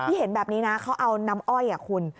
เห็นแบบนี้นะเขาเอาน้ำอ้อยคุณ